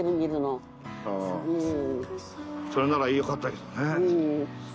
それならよかったけどね。